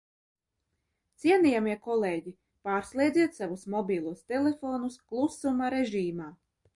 Cienījamie kolēģi, pārslēdziet savus mobilos telefonus klusuma režīmā!